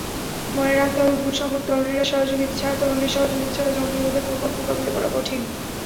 মনে রাখতে হবে, বিপুলসংখ্যক তরুণের সহযোগিতা ছাড়া জঙ্গিবাদের প্রকোপ মোকাবিলা করা কঠিন।